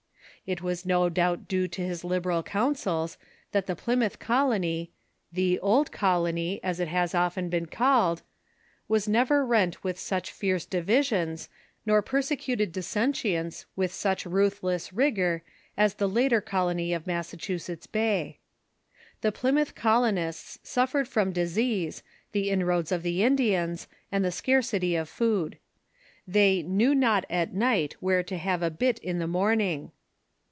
It was no doubt due to his liberal counsels that the Plymouth Colony ("the Old Colony," as it has been often call ed) Avas never rent with such tierce divisions, nor persecuted dissentients with such ruthless rigor, as the later colony of Massachusetts Bay. The Plymouth colonists suffered from disease, the inroads of the Indians, and the scarcity of food. They " knew not at night where to have a bit in the morn ing."